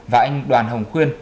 và anh đoàn hồng khuyên